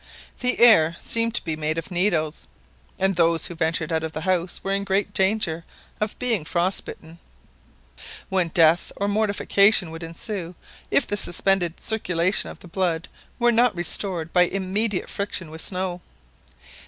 The air seemed to be made of needles, and those who ventured out of the house were in great danger of being frost bitten, when death or mortification would ensue if the suspended circulation of the blood were not restored by immediate friction with snow.